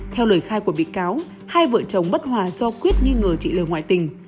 theo lời khai của bị cáo hai vợ chồng bất hòa do quyết nghi ngờ chị l ngoại tình